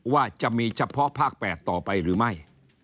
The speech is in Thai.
ว่าจะมีเฉพาะภาค๘ต่อไปหรือไม่